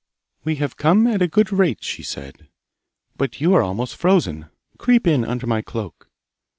'We have come at a good rate,' she said; 'but you are almost frozen. Creep in under my cloak.